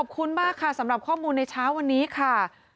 ขอบคุณมากค่ะสำหรับข้อมูลในเช้าวันนี้ค่ะ